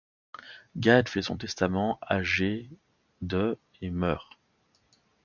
Gad fait son testament âgé de et meurt.